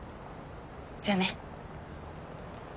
じゃあね。